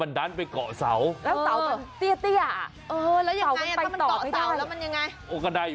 ใช่อ่ะบุญมันต้องไปต่อไม่ได้